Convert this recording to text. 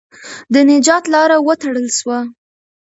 د نجات لاره وتړل سوه.